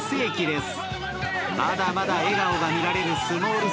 まだまだ笑顔が見られるスモール３。